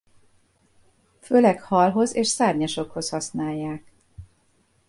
Főleg halhoz és szárnyasokhoz használják.